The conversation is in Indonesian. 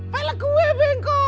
pelek gue bengkok